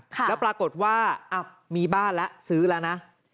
แล้วปรากฏว่ามีบ้านแล้วซื้อแล้วนะ